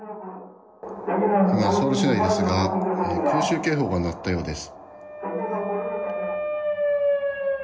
今、ソウル市内ですが空襲警報が鳴ったようです。